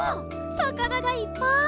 さかながいっぱい！